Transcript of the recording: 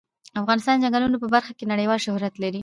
افغانستان د چنګلونه په برخه کې نړیوال شهرت لري.